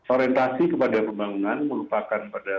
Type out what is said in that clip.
orientasi kepada pembangunan melupakan pada